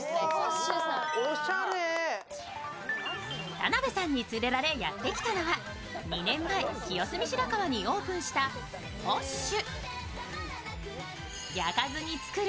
田辺さんに連れられやってきたのは２年前、清澄白河にオープンしたＰＯＳＨ。